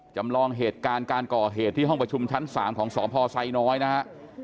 จำลองเหตุการณ์การก่อเหตุที่ห้องประชุมชั้น๓ของสพไซน้อยนะฮะ